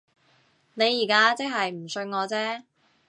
你而家即係唔信我啫